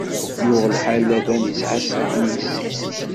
Yuɣ lḥal, Laban isɛa snat n yessi-s.